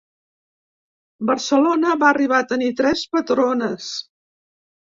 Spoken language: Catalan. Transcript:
Barcelona va arribar a tenir tres patrones.